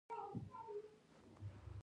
علمي څېړنو تور پوستان بې سواده وښودل.